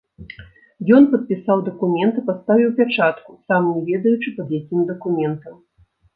Ён падпісаў дакумент і паставіў пячатку, сам не ведаючы пад якім дакументам.